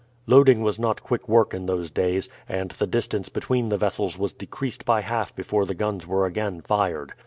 Loading was not quick work in those days, and the distance between the vessels was decreased by half before the guns were again fired.